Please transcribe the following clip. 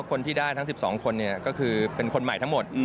คนที่ได้ทั้ง๑๒คนก็คือเป็นคนใหม่ทั้งหมด